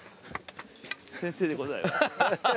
先生でございます。